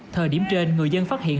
thời điểm trên người dân phát hiện